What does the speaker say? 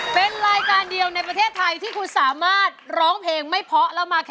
เป็นรายการเดียวในประเทศไทยที่คุณสามารถร้องเพลงไม่เพาะแล้วมาแค่